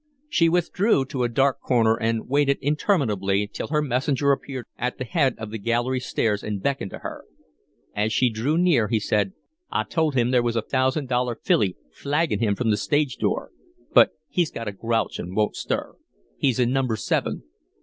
She withdrew to a dark corner and waited interminably till her messenger appeared at the head of the gallery stairs and beckoned to her. As she drew near he said, "I told him there was a thousand dollar filly flaggin' him from the stage door, but he's got a grouch an' won't stir. He's in number seven."